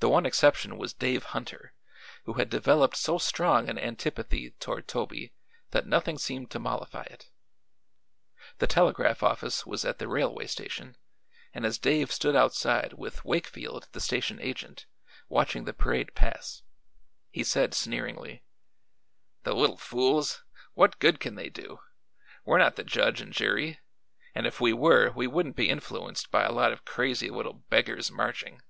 The one exception was Dave Hunter, who had developed so strong an antipathy toward Toby that nothing seemed to mollify it. The telegraph office was at the railway station and as Dave stood outside with Wakefield, the station agent, watching the parade pass, he said sneeringly: "The little fools! What good can they do? We're not the judge and jury, and if we were we wouldn't be influenced by a lot of crazy little beggars marching."